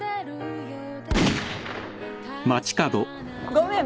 ごめん。